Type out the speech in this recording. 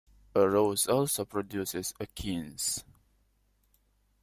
A rose also produces achenes.